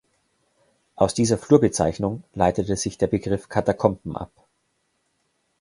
Aus dieser Flurbezeichnung leitete sich der Begriff Katakomben ab.